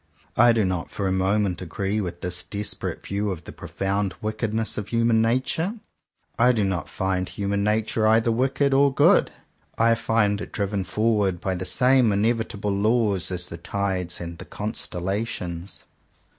I do not for a moment agree with this desperate view of the profound wickedness of human nature. I do not 151 CONFESSIONS OF TWO BROTHERS find human nature either wicked or good. I find it driven forward by the same in evitable laws as the tides and the con stellations.